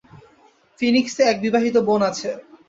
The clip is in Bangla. ফিনিক্সে এক বিবাহিত বোন আছে।